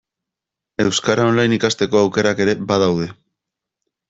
Euskara online ikasteko aukerak ere badaude.